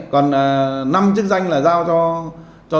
còn năm chức danh là giao cho